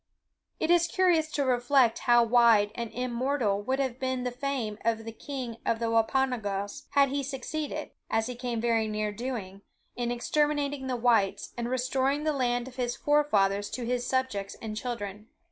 It is curious to reflect how wide and immortal would have been the fame of the king of the Wampanoags, had he succeeded, (as he came very near doing,) in exterminating the Whites, and restoring the land of his forefathers to his subjects and children.